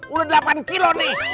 udah delapan kilo nih